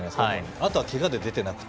あとは、けがで出ていなくて。